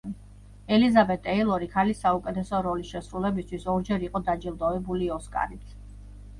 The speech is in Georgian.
ელიზაბეტ ტეილორი ქალის საუკეთესო როლის შესრულებისთვის ორჯერ იყო დაჯილდოებული ოსკარით.